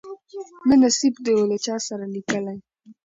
نه نصیب دي وو له چا سره لیکلی